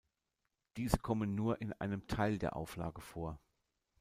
Diese kommen nur in einem Teil der Auflage vor.